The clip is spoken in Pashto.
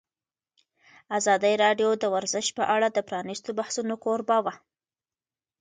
ازادي راډیو د ورزش په اړه د پرانیستو بحثونو کوربه وه.